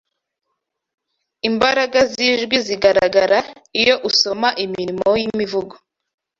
Imbaraga zijwi zigaragara iyo usoma imirimo yimivugo.